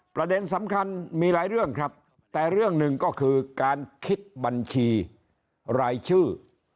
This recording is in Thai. ประเด็นสำคัญมีหลายเรื่องครับแต่เรื่องหนึ่งก็คือการคิดบัญชีรายชื่อ